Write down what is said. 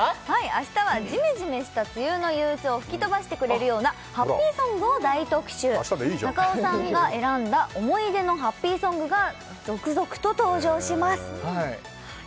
あしたはジメジメした梅雨の憂鬱を吹き飛ばしてくれるようなハッピーソングを大特集あしたでいいじゃん中尾さんが選んだ思い出のハッピーソングが続々と登場します